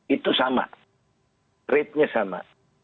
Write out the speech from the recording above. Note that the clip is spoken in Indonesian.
itu sama rate nya sama